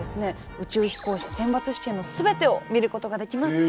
宇宙飛行士選抜試験の全てを見ることができます。